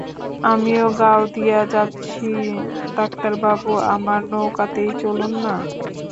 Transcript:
আমিও গাওদিয়া যাচ্ছি ডাক্তারবাবু, আমার নৌকাতেই চলুন না।